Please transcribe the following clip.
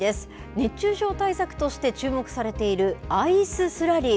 熱中症対策として注目されている、アイススラリー。